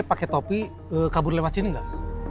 pakai topi kabur lewat sini nggak